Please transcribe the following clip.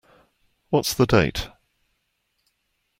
What's the date?